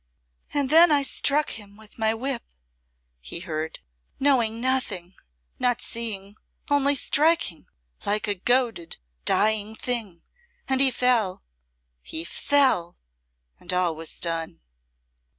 "And then I struck him with my whip," he heard, "knowing nothing, not seeing, only striking like a goaded, dying thing. And he fell he fell and all was done."